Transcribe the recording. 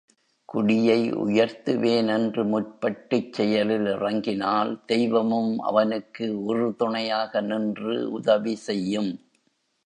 குடியை உயர்த்துவேன் என்று முற்பட்டுச் செயலில் இறங்கினால் தெய்வமும் அவனுக்கு உறுதுணையாக நின்று உதவி செய்யும்.